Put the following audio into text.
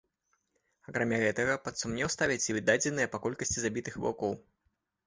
Акрамя гэтага, пад сумнеў ставяць і дадзеныя па колькасці забітых ваўкоў.